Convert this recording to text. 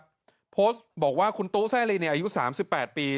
มาโพสต์ครับโพสต์บอกว่าคุณตู้แซ่ลีในอายุสามสิบแปดปี